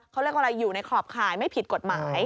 เขาเรียกว่าอะไรอยู่ในขอบข่ายไม่ผิดกฎหมาย